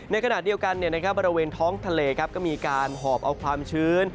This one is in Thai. ในขณะเดียวกันบริเวณท้องทะเลก็มีการหอบเอาความชื้น